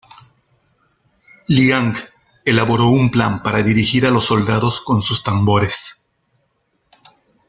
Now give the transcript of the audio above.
Liang elaboró un plan para dirigir a los soldados con sus tambores.